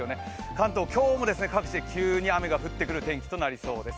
関東、今日も各地で急に雨が降る天気となりそうです。